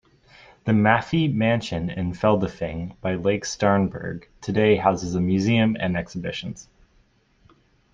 The Maffei mansion in Feldafing, by Lake Starnberg, today houses a museum and exhibitions.